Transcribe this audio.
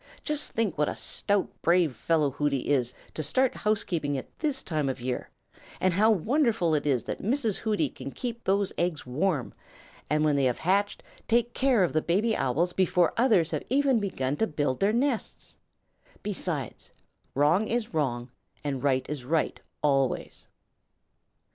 Just think what a stout, brave fellow Hooty is to start housekeeping at this time of year, and how wonderful it is that Mrs. Hooty can keep these eggs warm and when they have hatched take care of the baby Owls before others have even begun to build their nests. Besides, wrong is wrong and right is right, always."